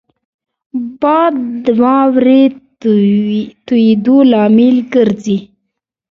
باد د واورې تویېدو لامل ګرځي